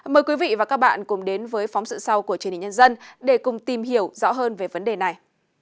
mời quý vị và các bạn cùng đến với phóng sự sau của truyền hình nhân dân để cùng tìm hiểu rõ hơn về vấn đề này